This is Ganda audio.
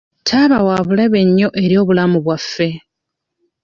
Ttaaba wa bulabe nnyo eri obulamu bwaffe.